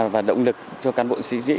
và động lực cho cán bộ chiến sĩ